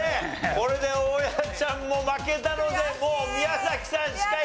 これで大家ちゃんも負けたのでもう宮崎さんしかいない！